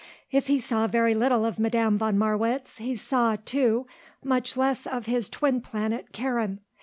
If he saw very little of Madame von Marwitz, he saw, too, much less of his twin planet, Karen.